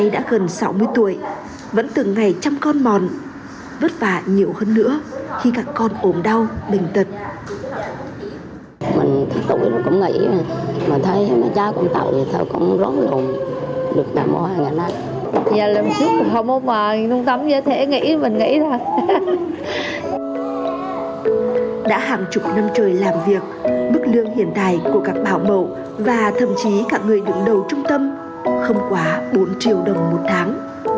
đã hàng chục năm trời làm việc bức lương hiện tại của các bạo mậu và thậm chí cả người đứng đầu trung tâm không quá bốn triệu đồng một tháng